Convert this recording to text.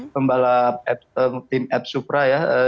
pembalap tim epsupra ya